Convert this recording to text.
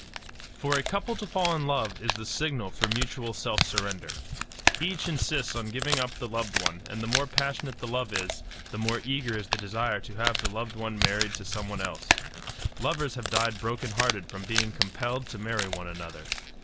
For a couple to fall in love is the signal for mutual self surrender. Each insists on giving up the loved one; and the more passionate the love is, the more eager is the desire to have the loved one married to someone else. Lovers have died broken hearted from being compelled to marry one another.